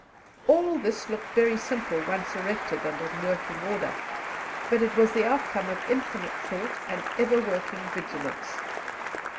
All this looked very simple once erected and in working order, but it was the outcome of infinite thought and ever working vigilance.